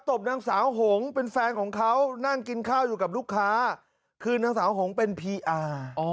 ตบนางสาวหงเป็นแฟนของเขานั่งกินข้าวอยู่กับลูกค้าคือนางสาวหงเป็นพีอาร์